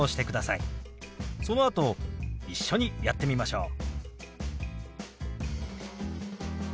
そのあと一緒にやってみましょう。